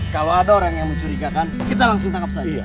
kalau ada orang yang mencurigakan kita langsung tangkap saya